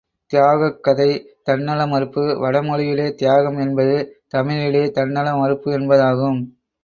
தியாகக் கதை தன்னல மறுப்பு வட மொழியிலே தியாகம் என்பது—தமிழிலே தன்னல மறுப்பு என்றாகும்.